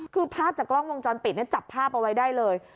คือภาพจากกล้องวงจรเปลี่ยนเนี่ยจับภาพเอาไว้ได้เลย